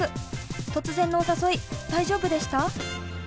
突然のお誘い大丈夫でした？